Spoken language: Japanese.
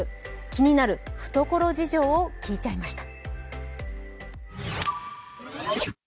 気になる懐事情を聞いちゃいました。